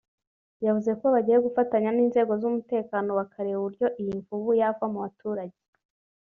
yavuze ko bagiye gufatanya n’inzego z’umutekano bakareba uburyo iyi mvubu yava mu baturage